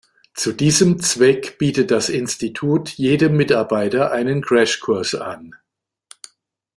Zu diesem Zweck bietet das Institut jedem Mitarbeiter einen Crashkurs an.